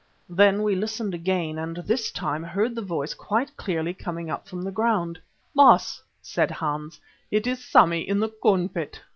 Then we listened again and this time heard the voice quite clearly coming from the ground. "Baas," said Hans, "it is Sammy in the corn pit!"